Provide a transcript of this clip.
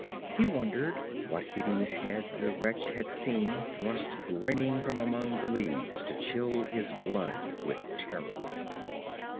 He wondered what hideous head the wretch had seen thrust grinning from among the leaves to chill his blood with terror.